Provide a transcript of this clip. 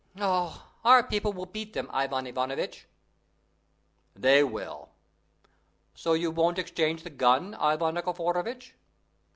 '" "Oh, our people will beat them, Ivan Ivanovitch!" "They will. So you won't exchange the gun, Ivan Nikiforovitch?"